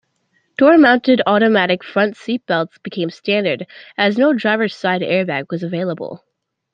Door-mounted automatic front seatbelts became standard, as no driver's side airbag was available.